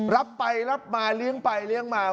รับไปรับมาเลี้ยงไปเลี้ยงมา